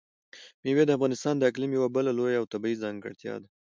مېوې د افغانستان د اقلیم یوه بله لویه او طبیعي ځانګړتیا ده.